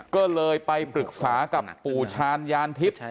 ก็เลยไปปรึกษากับปู่ชาญยานทิพย์